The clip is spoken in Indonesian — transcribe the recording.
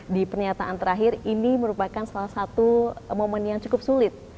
di pernyataan terakhir ini merupakan salah satu momen yang cukup sulit